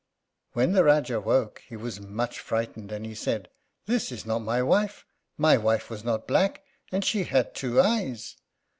When the Rájá woke he was much frightened, and he said, "This is not my wife. My wife was not black, and she had two eyes."